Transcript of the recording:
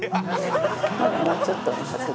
もうちょっと。